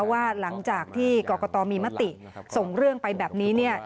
ว่าหลังจากที่กรกตมีมติส่งเรื่องไปแบบนี้